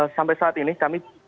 sampai saat ini kami